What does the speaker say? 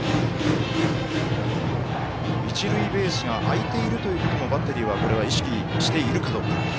一塁ベースが空いているということもバッテリーはこれは意識しているかどうか。